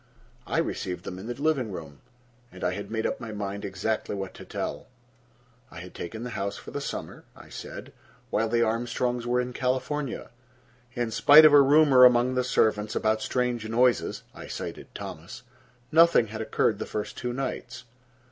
I received them in the living room, and I had made up my mind exactly what to tell. I had taken the house for the summer, I said, while the Armstrongs were in California. In spite of a rumor among the servants about strange noises—I cited Thomas—nothing had occurred the first two nights.